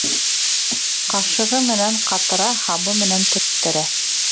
Ҡашығы менән ҡатыра, һабы менән төрттөрә.